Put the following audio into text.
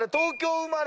「生まれ」ね。